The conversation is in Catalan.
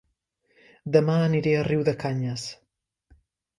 Dema aniré a Riudecanyes